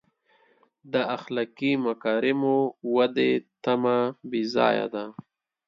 د اخلاقي مکارمو ودې تمه بې ځایه ده.